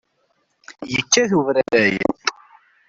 Yekkat ubraray.